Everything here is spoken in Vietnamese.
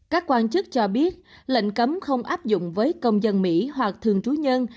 các quan chức cho biết lệnh cấm không áp dụng với công dân mỹ hoặc thường trú nhân